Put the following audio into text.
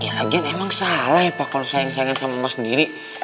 ya lagian emang salah ya pak kalau sayang sayangan sama emak sendiri